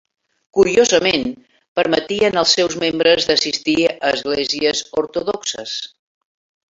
Curiosament, permetien els seus membres d'assistir a esglésies ortodoxes.